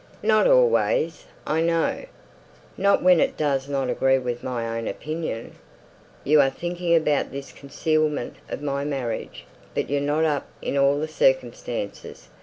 "Not always, I know. Not when it doesn't agree with my own opinion. You're thinking about this concealment of my marriage; but you're not up in all the circumstances.